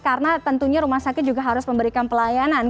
karena tentunya rumah sakit juga harus memberikan penanganan ekstra